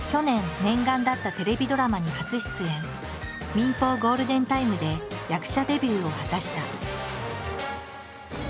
民放ゴールデンタイムで役者デビューを果たした。